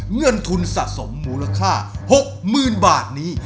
เงินทุนสะสมมูลค่า๖๐๐๐๐บาทนี้